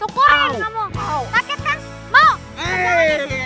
bila gitu kan sih